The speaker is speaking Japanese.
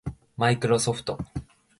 マイクロソフト